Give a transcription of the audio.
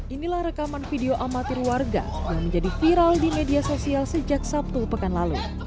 inilah rekaman video amatir warga yang menjadi viral di media sosial sejak sabtu pekan lalu